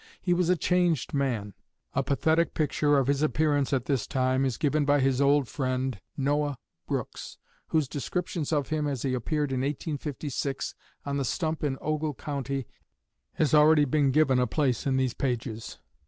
He was a changed man. A pathetic picture of his appearance at this time is given by his old friend, Noah Brooks, whose description of him as he appeared in 1856, on the stump in Ogle County, has already been given a place in these pages.